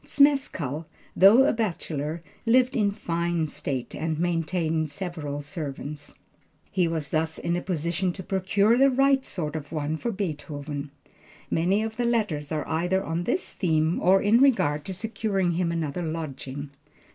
Zmeskall, though a bachelor, lived in fine state, and maintained several servants. He was thus in a position to procure the right sort of one for Beethoven. Many of the letters are either on this theme or in regard to securing him another lodging.